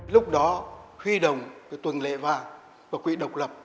lúc đó huy đồng